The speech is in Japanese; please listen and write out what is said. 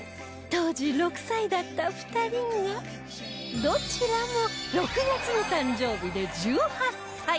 当時６歳だった２人がどちらも６月の誕生日で１８歳